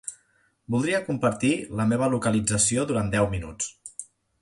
Voldria compartir la meva localització durant deu minuts.